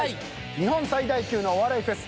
日本最大級のお笑いフェス